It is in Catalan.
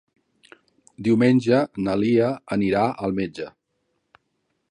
Diumenge na Lia anirà al metge.